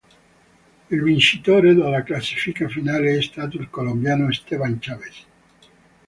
Il vincitore della classifica finale è stato il colombiano Esteban Chaves.